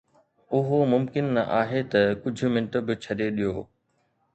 اهو ممڪن نه آهي ته ڪجهه منٽ به ڇڏي ڏيو.